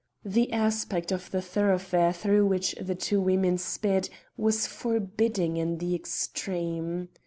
The aspect of the thoroughfare through which the two women sped was forbidding in the extreme.